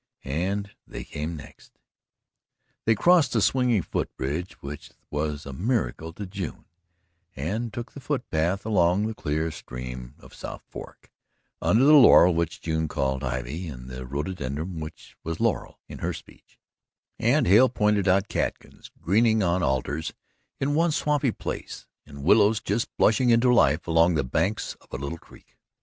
"And they come next." They crossed the swinging foot bridge, which was a miracle to June, and took the foot path along the clear stream of South Fork, under the laurel which June called "ivy," and the rhododendron which was "laurel" in her speech, and Hale pointed out catkins greening on alders in one swampy place and willows just blushing into life along the banks of a little creek.